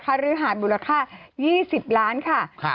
ค่ารื่อหาดมูลค่า๒๐ล้านบาทค่ะ